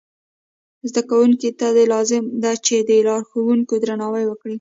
زده کوونکو ته لازمه ده چې د لارښوونکو درناوی وکړي.